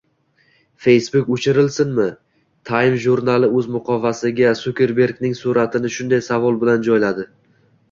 Facebook o‘chirilsinmi? Time jurnali o‘z muqovasiga Sukerbergning suratini shunday savol bilan joyladi